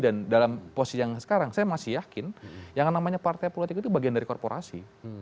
dan dalam posisi yang sekarang saya masih yakin yang namanya partai politik itu bagian dari korporasi